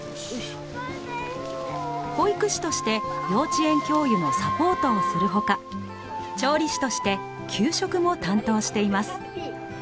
保育士として幼稚園教諭のサポートをするほか調理師として給食も担当しています。